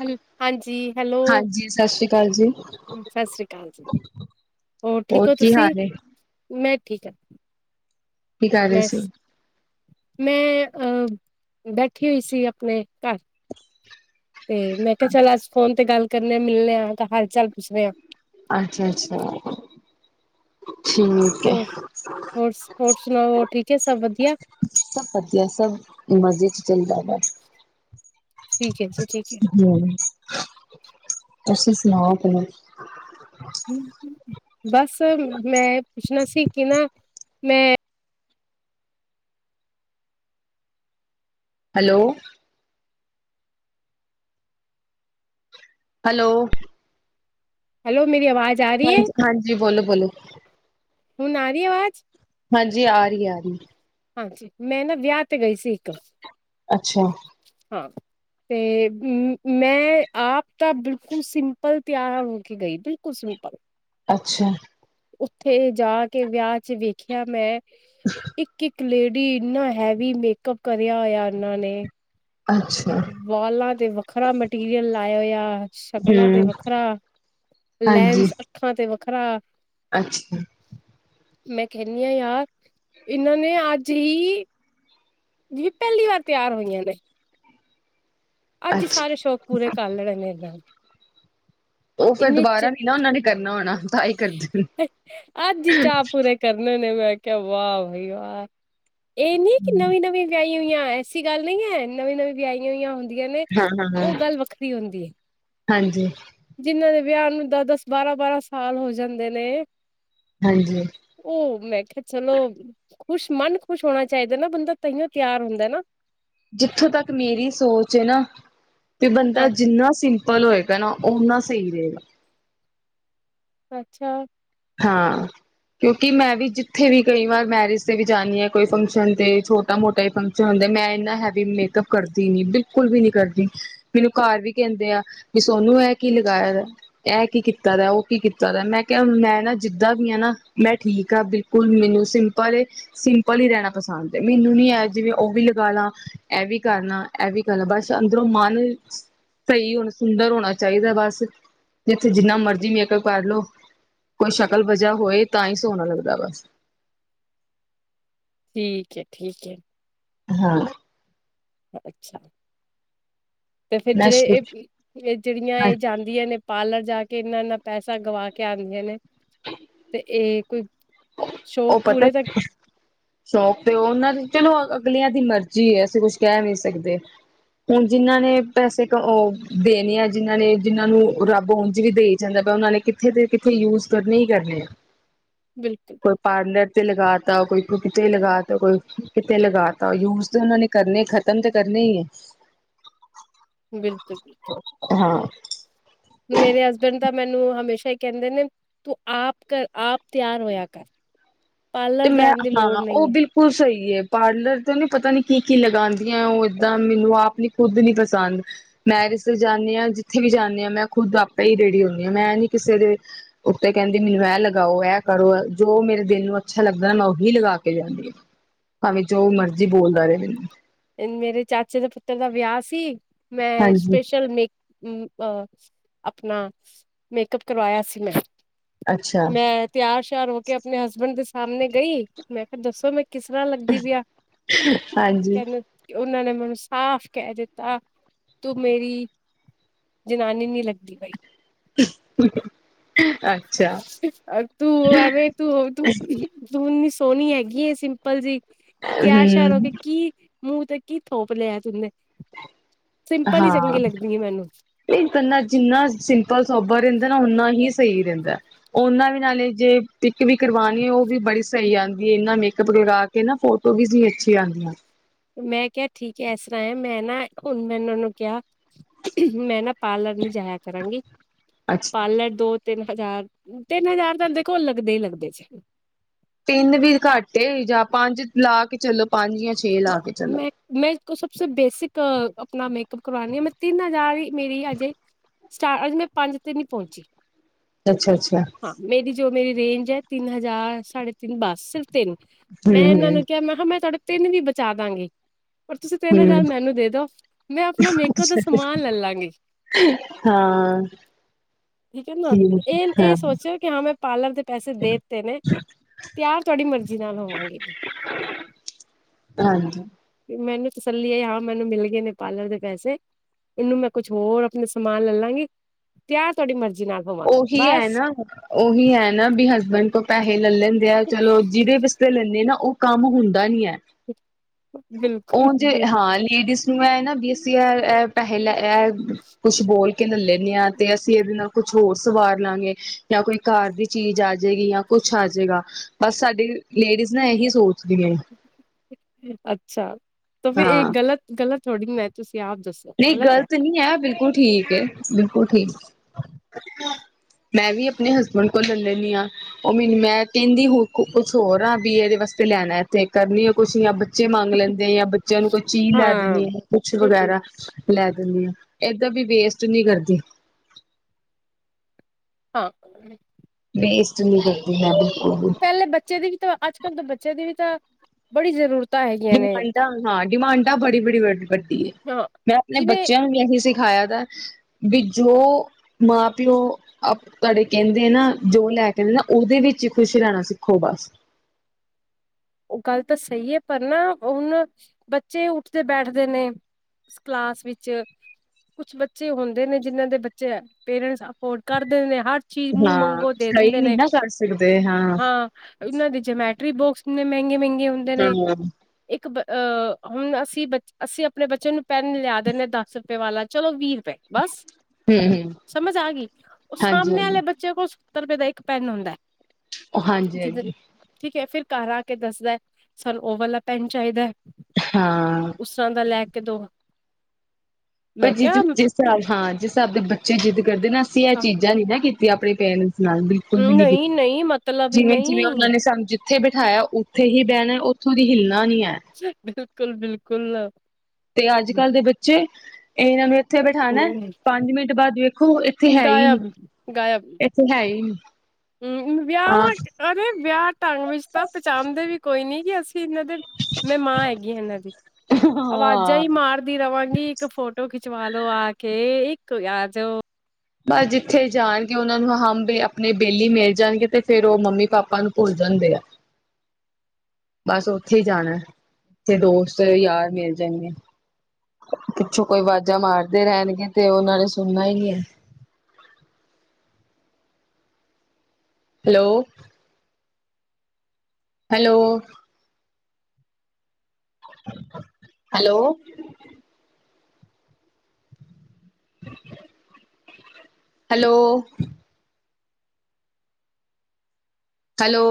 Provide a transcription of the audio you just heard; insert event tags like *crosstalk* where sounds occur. ਹੈਲ ਹਾਂਜੀ ਹੈਲੋ ਹਾਂਜੀ ਸਤਿ ਸ੍ਰੀ ਅਕਾਲ ਜੀ, ਸਤਿ ਸ੍ਰੀ ਅਕਾਲ ਜੀ ਠੀਕ ਹੋਰ ਹੋ ਕੀ ਤੁਸੀਂ ਹਾਲ ਐ। ਮੈਂ ਠੀਕ ਹਾਂ। ਕੀ ਕਰ ਰਹੇ ਮੈਂ ਸੀ। ਮੈਂ ਅਹ ਬੈਠੀ ਹੋਈ ਸੀ ਆਪਣੇ ਘਰ। ਤੇ ਮੈਂ ਕਿਹਾ ਚੱਲ ਅੱਜ ਫੋਨ ਤੇ ਗੱਲ ਕਰਨੇ ਮਿਲਣੇ ਆਂ, ਤਾਂ ਹਾਲ ਚਾਲ ਪੁੱਛਦੇ ਹਾਂ। ਅੱਛਾ, ਅੱਛਾ ਹੋਰ- ਹੋਰ- ਹੋਰ ਸੁਣਾਓ ਹੋਰ ਠੀਕ ਹੈ ਸਭ ਵਧੀਆ। ਕਿਆ ਸਭ ਵਧੀਆ ਸਭ ਮਜ਼ੇ ਚ ਜ਼ਿੰਦਾਬਾਦ ਠੀਕ ਏ ਜੀ। ਠੀਕ ਹੂੰ, ਤੁਸੀ ਸੁਣਾਓ ਕਿਵੇਂ ਬਸ ਮੈਂ ਪੁੱਛਣਾ ਸੀ ਕਿ ਨਾ ਮੈਂ ਹੈਲੋ, ਹੈਲੋ, ਹੈਲੋ ਮੇ ਹਾਂਜੀ- ਹਾਂਜੀ ਬੋਲੋ- ਬੋਲੋ ਹੁਣ ਆ ਰਹੀ ਐ ਆਵਾਜ਼। ਹਾਂਜੀ ਆ ਰਹੀ ਆ ਰਹੀ। ਹਾਂਜੀ ਮੈਂ ਨਾ ਵਿਆਹ ਤੇ ਗਈ ਸੀ ਇੱਕ ਅੱਛਾ, ਹਾਂ ਤੇ ਮੈਂ ਆਪ ਤਾਂ ਬਿਲਕੁਲ ਸਿੰਪਲ ਤਿਆਰ ਹੋ ਕੇ ਗਈ ਬਿਲਕੁਲ ਸਿੰਪਲ ਅੱਛਾ, ਉੱਥੇ ਜਾ ਕੇ ਵਿਆਹ ਚ ਵੇਖਿਆ ਮੈਂ ਇੱਕ -ਇੱਕ ਇੱਕ ਲੇਡੀ ਇੰਨਾ ਹੈਵੀ ਮੇਕਅਪ ਕਰਿਆ ਹੋਇਆ ਇਹਨਾਂ ਨੇ ਅੱਛਾ, ਵਾਲਾਂ ਤੇ ਵੱਖਰਾ ਮਟੀਰੀਅਲ ਲਾਇਆ ਹੋਇਆ ਸ਼ਕਲਾਂ ਤੇ ਹੂੰ, ਵੱਖਰਾ ਹਾਂਜੀ। ਲੈਂਸ, ਅੱਖਾਂ ਤੇ ਵੱਖ ਖਰਾ। ਅੱਛਾ ਮੈਂ ਕਹਿੰਦੀ ਹਾਂ ਯਾਰ ਇਹਨਾਂ ਨੇ ਅੱਜ ਹੀ ਵੀ ਪਹਿਲੀ ਵਾਰ ਤਿਆਰ ਹੋਈਆਂ ਨੇ ਅੱਜ ਹੀ ਅੱਛਾ, ਸਾਰੇ ਸ਼ੌਕ ਪੂਰੇ ਕਰ ਲੈਣੇ ਨੇ ਨਾਲ ਉਹ ਫੇਿਰ ਦੁਬਾਰਾ ਨੀ ਨਾ ਉਹਨਾਂ ਨੇ ਕਰਨਾ ਹੋਣਾ ਤਾਂ ਇਹ ਕਰਦੇ ਕਿਆ ਵਆ ਭਾਈ ਯਾਰ ਇਹ ਨੀ ਕਿ ਨਵੀਂ ਨਵੀਂ ਵਿਆ ਐਸੀ ਗੱਲ ਨਹੀਂ ਹੈ ਨੀਂ ਨੀਂ ਵਿਆਹੀਈਆਂ ਹੋ ਹੁੰ ਹ ਨੇ ਹਾਂ-ਹਾਂ-ਹਾਂ, ਉਹ ਗੱਲ ਵੱਖਰੀ ਹੁੰਦੀ ਹੈ ਹਾਂਜੀ ਜਿੰਨਾਂ ਦੇ ਵਿਆਹ ਨੂੰ ਦਸ ਦਸ ਬਾਰਾਂ ਬਾਰਾਂ ਸਾਲ ਹੋ ਜਾਂਦੇ ਨੇ ਹਾਂਜੀ ਉਹ ਮੈਂ ਚਲੋ ਖੁਸ਼ ਮਨ ਖੁਸ਼ ਹੋਣਾ ਚਾਹੀਦਾ ਨਾ ਬੰਦਾ ਤਹੀਓ ਤਿਆਰ ਹੁੰਦਾ ਨਾ ਜਿੱਥੋਂ ਤੱਕ ਮੇਰੀ ਸੋਚ ਨਾ ਤੇ ਬੰਦਾ ਹਾਂ ਜਿੰਨਾ ਪਲ ਹੋਏ ਕਹ ਨਾ ਓਨਾ ਸਹੀ ਰਹੇਗਾ ਅੱਛਾ ਹਾਂ ਕਿਉਂਕਿ ਮੈਂ ਵੀ ਜਿੱਥੇ ਵੀ ਕਈ ਵਾਰ ਮੈਰਿਜ ਤੇ ਵੀ ਜਾਂਦੀ ਹ ਕੋਈ ਫੰਕਸ਼ਨ ਤੇ ਛੋਟਾ ਮੋਟਾ ਹੀ ਫੰਕਸ਼ਨ ਹੁੰਦੇ ਮੈਂ ਇੰਨਾ ਹੈਵੀ ਮੇਕਅਪ ਕਰਦੀ ਨੀ ਬਿਲਕੁਲ ਵੀ ਨੀ ਕਰਦੀ ਮੈਨੂੰ ਘਰ ਵੀ ਕਹਿੰਦੇ ਆ ਵੀ ਸੋਨੂੰ ਇਹ ਕੀ ਲਗਾਇਆ ਇਹ ਕੀ ਕੀਤਾ ਦਾ ਉਹ ਕੀ ਕੀਤਾ ਦਾ ਮੈਂ ਕਿਹਾ ਮੈਂ ਜਿੱਦਾਂ ਵੀ ਆ ਨਾ ਮੈਂ ਠੀਕ ਹਾਂ ਬਿਲਕੁਲ ਮੈਨੂੰ ਸਿੰਪਲ ਸਿੰਪਲ ਹੀ ਰਹਿਣਾ ਪਸੰਦ ਹੈ ਮੈਨੂੰ ਨੀ ਆ ਜਿਵੇਂ ਉਹ ਵੀ ਲਗਾ ਲਾ ਇਹ ਵੀ ਕਰਨਾ ਇਹ ਵੀ ਕਰ ਲ ਬਸ ਅੰਦਰੋਂ ਮਨ ਸਹੀ ਹੋਣਾ ਸੁੰਦਰ ਹੋਣਾ ਚਾਹੀਦਾ ਬਸ ਜਿੱਥੇ ਜਿੰਨਾ ਮਰਜੀੀ ਮ ਕੋ ਕਰ ਲਓ ਕੋਈ ਸ਼ਕਲ ਵਜਾ ਹੋਏ ਤਾਂ ਹੀ ਸੋਹਣਾ ਲੱਗਦਾ ਬਸ ਠੀਕ ਹੈ ਠੀਕ ਹੈ ਹਾਂ ਅੱਛਾ ਤੇ ਫੇਿਰ ਮੈਂ ਜਿਹੜੇ ਇਹ ਇਹ ਜਿਹੜੀਆਂ ਹਾਂ ਇਹ ਜਾਂਦੀਆਂ ਨੇ ਪਾਲਰ ਜਾ ਕੇ ਇੰਨਾ ਇਨਾ ਪੈਸਾ ਗਵਾ ਕੇ ਆਉਂਦੀਆਂ ਨੇ ਤੇ ਇਹ ਕੋਈ ਸ਼ੌਕ ਪੂਰੇ ਤੱਕ ਸ਼ੌਂਕ ਤੇ ਉਹ ਉਹਨਾਂ ਚਲੋ ਅਗਲਿਆਂ ਦੀ ਮਰਜੀ ਹੈ ਅਸੀਂ ਕੁਛ ਕਹਿ ਨਹੀਂ ਸਕਦੇ ਹੁਣ ਜਿਹਨਾਂ ਨੇ ਪੈਸੇ ਦੇਣੇ ਆ ਜਿਹਨਾਂ ਨੇ ਜਿਹਨਾਂ ਨੂੰ ਰੱਬ ਉਂਝ ਵੀ ਦੇਈ ਜਾਂਦਾ ਉਹਨਾਂ ਨੇ ਕਿੱਥੇ ਤੇ ਕਿੱਥੇ ਯੂਜ ਕਰਨ ਕਰਨੇ ਆ ਕੋਈ ਬਿਲਕੁਲ-ਬਿਲਕੁਲ ਪਾਰਲਰ ਤੇ ਲਗਾ ਤ ਕੋਈ ਕਿਤੇ ਲਗਾ ਤਾ ਕੋਈ ਕਿਤੇ ਲਗਾ ਤਾ ਯੂਜ ਤੇ ਉਹਨਾਂ ਨੇ ਕਰਨੇ ਖਤਮ ਤੇ ਕਰਨੇ ਹੀ ਹੈ ਬਿਲਕੁਲ ਬਿਲਕੁਲ ਹਾਂ ਮੇਰੇ ਹਸਬੈਂਡ ਤਾਂ ਮੈਨੂੰ ਹਮੇਸ਼ਾ ਹੀ ਕਹਿੰਦੇ ਨੇ ਤੂੰ ਆਪ ਕਰ ਆਪ ਤਿਆਰ ਹੋਇਆ ਕਰ ਤੇ ਪਾਰਲਰ ਮੈਂ ਜਾਣ ਦੀ ਲੋੜ ਹਾਂ ਨਹੀਂ ਉਹ ਹੈ। ਬਿਲਕੁਲ ਸਹੀ ਪਾਰਲਰ ਤੇ ਨੀ ਪਤਾ ਨੀ ਕੀ ਕੀ ਲਗਾ *unintelligible* ਉਹ ਏਦਾਂ ਮੈਨੂੰ ਆਪ ਨੀ ਖੁੱਦ ਨੀ ਪਸੰਦ ਮੈਰੀਜ ਜਾਂਦੀ ਹਾਂ ਜਿੱਥੇ ਵੀ ਜਾਂਦੀ ਹਾਂ ਮੈਂ ਖੁੱਦ ਆਪੇ ਹੀ ਰੇਡੀ ਹੁੰਦੀ ਹਾਂ ਮੈਂ ਨੀ ਕਿਸੇ ਦੇ ਉੱਤੇ ਕਹਿੰਦੀ ਮੈਨੂੰ ਇਹ ਲਗਾਓ ਇਹ ਕਰੋ ਜੋ ਮੇਰੇ ਦਿਲ ਨੂੰ ਅੱਛਾ ਲੱਗਦਾ ਨਾ ਮੈਂ ਉਹੀ ਲਗਾ ਕੇ ਜਾਦੀ ਹਾਂ ਭਾਵੇਂ ਜੋ ਮਰਜ਼ੀ ਬੋਲਦਾ ਰਿਹੇ ਮੇਰੇ ਚਾਚੇ ਦੇ ਪੁੱਤਰ ਦਾ ਵਿਆਹ ਸੀ ਮੈਂ ਹਾਂਜੀ ਸਪੇਸ਼ਲ ਮੇਕ ਉਂ ਆ ਆਪਣਾ ਮੇਕਅਪ ਕਰਵਾਇਆ ਸੀ ਮੈਂ ਅੱਛਾ ਮੈਂ ਤਿਆਰ ਸ਼ਿਆਰ ਹੋ ਕੇ ਆਪਣੇ ਹਸਬੈਂਡ ਦੇ ਸ ਸਾਹਮਣੇ ਗਈ ਮੈਂ ਕਿਹਾ ਦੱਸੋ ਮੈਂ ਕਿਸ ਤਰ੍ਹਾਂ ਲੱਗਦੀ ਪਈ ਆ ਹਾਂਜੀ। ਕਹਿੰਦੇ ਉਹਨਾਂ ਨੇ ਮੈਨੂੰ ਸਾਫ਼ ਕਹਿ ਦਿੱਤਾ ਤੂੰ ਮੇਰੀ ਜਨਾਨੀ ਨੀ ਲੱਗਦੀ ਪਈ। *unintelligible* ਅੱਛਾ ਤੂੰ ਆਵੇਂ ਤੂੰ ਤੂੰ ਮਿਸ ਸੋਹਣੀ ਹੈਗੀ ਏ ਸਿੰਪਲ ਜੀ ਤਿਆਰ-ਸ਼ਿਆਰ ਹੋ ਹਮ ਕੇ ਕੀ ਮੂੰਹ ਤੇ ਕੀ ਥੋਪ ਲਿਆਿਆ ਤੂੰਨਦੇ ਹਾਂ ਨਹੀਂ ਜਿੰਨਾ ਸਿੰਪਲ ਸੋਬ ਰਹਿੰਦਾ ਨਾ ਓਨਾ ਹੀ ਸਹੀ ਰਹਿੰਦਾ। ਉਹਨਾਂ ਵੀ ਨਾਲ ਜੇ ਪਿੱਕ ਵੀ ਕਰਵਾਉਣੀ ਉਹ ਵੀ ਬੜੀ ਸਹੀ ਆਉਂਦੀ ਹੈ ਇਹਨਾਂ ਮੇ ਕਪ ਲਾ ਨਾ ਫੋਟੋ ਵੀ ਅੱਛੀ ਆਉਂਦੀਆਂ ਮੈਂ ਕਿਹਾ ਠੀਕ ਹੈ ਇਸ ਤਰ੍ਹਾਂ ਹੈ ਮੈਂ ਨਾ ਹੁਣ ਮੈ ਇਹਨਾਂ ਨੂੰ ਕਿਹਾ ਮੈਂ ਨਾ ਪਾਰਲਰ ਨੂੰ ਜਾਇਆ ਕਰਾਂਗੀ। ਅੱਛਾ ਪਾਰਲਰ ਦੋ ਤਿੰਨ ਹਜ਼ਾਰ ਤਿੰਨ ਹਜ਼ਾਰ ਤਾਂ ਦੇਖੋ ਲੱਗਦੇ ਹੀ ਲੱਗਦੇ ਜ਼ੇ ਤਿੰਨ ਵੀ ਘੱਟ ਜਾਂ ਪੰਜ ਲਾ ਕੇ ਚਲੋ ਪੰਜ ਜਾਂ ਛੇ ਹਾਂ ਲਾ ਕੇ ਚਲੋ। ਮੈਂ ਮੈਂ ਸਭਸੇ ਬੇਸਿਕ ਅ ਆਪਣਾ ਮੇਕਅਪ ਕਰਵਾਨੀ ਆ ਮੈਂ ਤਿੰਨ ਹਜ਼ਾਰ ਹੀ ਮੇਰੀ ਅਜੇ ਸਟਾਰ ਅਜ ਮੈਂ ਪੰਜ ਤੇ ਨਹੀਂ ਪਹੁੰਚੀ। ਅੱਛਾ-ਅੱਛਾ ਹਾਂ ਮੇਰੀ ਜੋ ਮੇਰੀ ਰੇਂਜ ਹੈ ਤਿੰਨ ਹਜ਼ਾਰ ਸਾਢੇ ਤਿੰਨ ਬੱਸ ਸਿਰਫ ਤਿੰਨ ਮੈਂ ਇਹਨਾਂ ਹੂੰ ਨੂੰ ਕਿਹਾ ਮੈਂ ਕਿਹਾ ਮੈਂ ਥੋਡੇ ਤਿੰਨ ਵੀ ਬਚ ਬਚਾ ਦਾਂਗੀ। ਪਰ ਤੁਸੀਂ ਤਿੰਨ ਹੂੰ ਹਜ਼ਾਰ ਹੂੰ ਮੈਨੂੰ ਦੇ ਦੋ ਮੈਂ ਆਪਣਾ ਮੇਕਅਪ ਦਾ ਸਮਾਨ ਲੈਲਾਂਗੀ। ਹਾਂ ਠੀਕ ਹੈ ਨਾ ਇਹ ਠੀਕ ਇਹ ਹਾਂ ਸੋਚਿਓ ਕਿ ਹਾਂ ਮੈਂ ਪਾਰਲਰ ਦੇ ਪੈਸੇ ਦੇ ਦਿੱਤੇ ਨੇ ਤਿਆਰ ਤੁਹਾਡੀ ਮਰਜ਼ੀ ਨਾਲ ਹੋਵਾਂਗੀ ਹਾਂਜੀ ਜੀ ਮੈਨੂੰ ਤਸੱਲੀ ਆਈ ਹਾਂ ਮੈਨੂੰ ਮਿਲ ਗਏ ਨੇ ਪਾਰਲਰ ਦੇ ਪੈਸੇ ਇਹਨੂੰ ਮੈਂ ਕੁਛ ਹੋਰ ਆਪਣੇ ਸਮਾਨ ਲੈ ਲਾਂਗੀ ਤਿਆ ਤੁਹਾਡੀ ਮਰਜੀ ਉਹੀ ਹੈ ਨਾ, ਉਹੀ ਹੈ ਨਾ, ਵੀ ਹਸਬੈਂਡ ਤੋਂ ਪੈਸੇ ਲਲੈਂਦੇ ਆ ਚਲੋ ਜਿਹਦੇ ਵਾਸਤੇ ਲੈਂਨੇ ਨਾ ਉਹ ਕੰਮ ਹੁੰ ਦਾ ਨਹੀਂ ਹੈ *unintelligible* ਬਿਲਕੁਲ ਉਹ ਜੇ ਹਾਂ ਲੇਡੀਜ਼ ਨੂੰ ਹੈ ਨਾ ਬਈ ਅਸੀਂ ਐ ਬਿਲਕੁਲ ਐ ਪਹਿਲ ਇਹ ਕੁਛ ਬੋਲ ਕੇ ਕੇ ਲੇ ਲੈਂਦੇ ਹਾਂ ਤੇ ਅਸੀਂ ਇਹਦੇ ਨਾਲ ਕੁਛ ਹੋਰ ਸਵਾਰ ਲਵਾਂਗੇ ਜਾਂ ਕੋਈ ਘਰ ਦੀ ਚੀਜ਼ ਆ ਜਾਏਗੀ ਜਾਂ ਕੁਛ ਆ ਜਾਏਗਾ ਬਸ ਸਾਡੀ ਲੇਡੀਜ਼ ਨਾ ਇਹੀ ਸੋਚਦੀਆਂ ਅੱਛਾ ਤਾਂ ਫਿਰ ਇੱਕ ਹਾਂ ਗ਼ਲਤ ਗ਼ਲਤ *unintelligible* ਨਹੀਂ ਗ਼ਲਤ ਨਹੀਂ ਹੈ ਬਿਲਕੁਲ ਠੀਕ ਏ ਬਿਲਕੁਲ ਠੀਕ ਮੈਂ ਵੀ ਆਪਣੇ ਹਸਬੈਂਡ ਕੋਲ ਲੈ ਲੈਂਦੀ ਹਾਂ ਉਹ ਮੈਨੂੰ ਮੈਂ ਕਹਿੰਦੀ ਹ ਕੁਛ ਹੋਰ ਹਾਂ ਵੀ ਇਹਦੇ ਵਾਸਤੇ ਲੈਣਾ ਇੱਥੇ ਕਰਨੀ ਆ ਕੁਛ ਬੱਚੇ ਮੰਗ ਲੈਂਦੇ ਆ ਜਾਂ ਬੱਚਿਆਂ ਨੂੰ ਕੋਈ ਚੀਜ਼ ਲੈ ਹਾਂ ਦਿੰਣੀ ਆ ਕੁਛ ਬਿਲਕੁਲ ਵਗੈਰਾ ਲੈ ਦਿੰਦੇ ਹਾਂ ਏਦਾਂ ਵੀ ਵੇਸਟ ਨੀ ਕਰਦੀ ਹਾਂ ਵੇਸਟ ਨੀ ਕਰਦੀ ਹੈਗੀ ਪਹਿਲੇ ਬੱਚੇ ਦੀ ਵੀ ਤਾਂ ਅੱਜ ਕੱਲ੍ਹ ਤੋਂ ਬੱਚੇ ਦੇ ਵੀ ਤਾਂ ਬੜੀ ਜ਼ਰੂਰਤ ਡਿਮਾਂਡਾਂ ਹਾਂ ਡਿਮਾਂਡਾਂ ਬੜੀ ਬੜੀ ਵ ਵੱਡੀ ਹੈ ਹਾਂ ਮੈਂ ਆਪਣੇ ਜਿਵੇਂ ਬੱਚਿਆਂ ਨੂੰ ਵੀ ਏਹੀ ਸਿੱਖ ਸਿਖਾਇਆ ਦਾ ਵੀ ਜੋ ਮਾਂ ਪਿਓ ਅਪ ਤੁਹਾਡੇ ਕਹਿੰਦੇ ਆ ਨਾ ਜੋ ਲੈ ਕਹਿੰਦੇ ਨਾ ਉਹਦੇ ਵਿੱਚ ਹੀ ਖੁਸ਼ ਰਹਿਣਾ ਸਿੱਖੋ ਬਸ ਉਹ ਗੱਲ ਤਾਂ ਸਹੀ ਹੈ ਪਰ ਨਾ ਹੁਣ ਬੱਚੇ ਉੱਠਦੇ ਬੈਠਦੇ ਨੇ ਕਲਾਸ ਵਿੱਚ ਕੁਛ ਬੱਚੇ ਹੁੰਦੇ ਨੇ ਜਿੰਹਨਾਂ ਦੇ ਬੱਚੇ ਪੇਰੈਂਟਸ ਅਫੋਰਡ ਕਰਦੇ ਨੇ ਹਰ ਚੀਜ਼ ਮੂੰਹ ਹਾਂ ਮੰਗੋ ਦੇ ਸਹੀ ਦਿੰਦੇ ਨੀ ਨੇ ਨਾ ਕਰ ਸਕਦੇ ਹਾਂ ਇਹਨਾਂ ਦੇ ਜਮੈਟਰੀ ਬੁੱਕਸ ਇਨੇਂ ਮਹਿੰਗੇ ਮਹਿੰਗੇ ਹੁੰਦੇ ਨੇ ਹਾਂ ਹਮ ਇੱਕ ਅਹ ਹੁਣ ਅਸੀਂ ਅਸੀਂ ਆਪਣੇ ਬੱਚੇ ਨੂੰ ਪੈੱਨ ਲਿਆ ਦਿੰਦੇ ਦਸ ਰੁਪਏ ਵਾਲਾ ਚਲੋ ਵੀਹ ਬਸ ਹਮ ਸਮਝ ਆ ਗਈ ਉਹ ਹਾਂਜੀ ਹਾਂਜੀ ਸਾਹਣੇ ਵਾਲੇ ਬੱਚੇ ਕੋ ਸੱਤਰ ਰੁਪਏ ਦਾ ਇਕ ਪੈਨ ਹੁੰਦਾ ਹਾਂਜੀ ਜਿਹਦੇ ਹਾਂਜੀ ਠੀਕ ਹੈ ਫਿਰ ਘਰ ਆ ਕੇ ਦੱਸਦਾ ਸਾਨੂੰ ਉਹ ਵਾਲਾ ਪੈਨ ਚਾਹੀਦਾ ਹਾਂ ਉਸ ਤਰ੍ਹਾਂ ਦਾ ਲੈ ਕੇ ਦੋ ਮੈਂ ਭਜੀ ਕਿਹਾ ਜਿਸ ਤਰ੍ਹਾਂ ਵਿ ਹਾਲ ਤਦ ਬੱਚੇ ਜ਼ਿੱਦ ਕਦੇ ਨਾ ਅਸੀਂ ਇਹ ਹਾਂ ਚੀਜ਼ਾਂ ਨਹੀਂ ਨਾ ਕੀਤੀ ਆਪਣੇ ਭੈਣ ਨੂੰ ਨਾਲ ਬਿਲਕੁਲ ਵੀ ਨੀ ਕਿਤੀ ਨਹੀਂ ਨਹੀਂ ਮਤਲਬ ਹੀ ਜਿਵੇਂ ਜਿਵੇਂ ਨਹੀਂ ਉਹਨਾਂ ਨੇ ਸਮਝ ਉੱਥੇ ਬਿਠਾਇਆ ਉੱਥੇ ਹੀ ਬਹਿਣਾ ਉੱਥੋਂ ਦੀ ਹਿੱਲਨਾ ਬਿਲੁ ਕੂਲ ਬਿਲਕੁਲ ਬਿਲਕੁਲ। ਤੇ ਅੱਜ ਕੱਲ੍ਹ ਦੇ ਬੱਚੇ ਇਹਨਾਂ ਨੂੰ ਉੱਥੇ ਬੈਠਾਣਾ ਪੰਜ ਮਿੰਟ ਬਾਅਦ ਵੇਖੋ ਇੱਥੇ ਹੈ ਹੀ ਨਹੀਂ ਗਾਇਬ ਗਾਇਬ ਇੱਥੇ ਹੈ ਹੀ ਨਹੀਂ ਹਮ ਵਿਆਹਾਂ ਅਰੇ ਵਿਆਹ ਢੰਗ ਵਿੱਚ ਤਾਂ ਪਚਾਣਦੇ ਵੀ ਕੋਈ ਨੀ ਅਸੀਂ ਇਹਨਾਂ ਦੇ ਮੈਂ ਮਾਂ ਹੈਗੀ ਹ ਇਹਨਾਂ ਦੀ ਅਵਾਜ਼ਾਂ ਹਾਂ। ਹੀ ਮਾਰਦੀ ਰਵਾਂਗੀ। ਇੱਕ ਫੋਟੋ ਖਿਚਵਾਲੋ ਆ ਕੇ ਇੱਕ ਆ ਜਾਓ ਬਸ ਜਿੱਥੇ ਜਾਣਗੇ ਉਹਨਾਂ ਨੂੰ ਹਮ ਆਪਣੀ ਬੇਲੀ ਮਿਲ ਜਾਣਗੇ ਤੇ ਫੇਰ ਉਹ ਮੰਮੀ ਪਾਪਾ ਨੂੰ ਭੁੱਲ ਜਾਂਦੇ ਆ। ਬਸ ਉੱਥੇ ਹੀ ਜਾਣਾ ਤੇ ਦੋਸਤ ਯਾਰ ਮਿਲ ਜਾਣਗੇ ਪਿੱਛੋਂ ਕੋਈ ਅਵਾਜ਼ਾਂ ਮਾਰਦੇ ਰਹਿਣਗੇ ਤੇ ਉਹਨਾਂ ਨੇ ਸੁਣਨਾ ਹੀ ਨਹੀਂ ਹੈ। Hello. Hello. Hello. Hello. Hello.